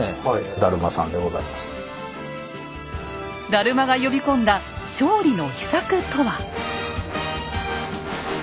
達磨が呼び込んだ勝利の秘策とは？